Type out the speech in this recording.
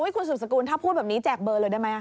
คุณสุบสกุลถ้าพูดแบบนี้แจกเบอร์เลยได้ไหม